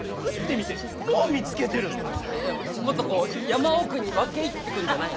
いやもっとこう山奥に分け入ってくんじゃないの？